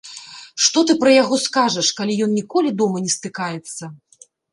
Што ты пра яго скажаш, калі ён ніколі дома не стыкаецца.